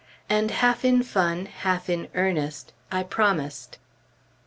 and half in fun, half in earnest, I promised.